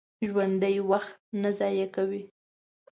ژوندي وخت ضایع نه کوي